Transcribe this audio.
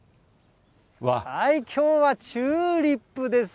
きょうはチューリップです。